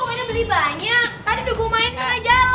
lo pokoknya beli banyak tadi udah gue mainin aja leh